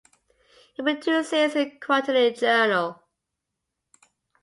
It produces a quarterly Journal.